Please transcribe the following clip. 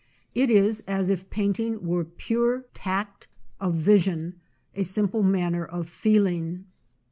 It is as if painting were pure tact of vision, a simple manner of feeling.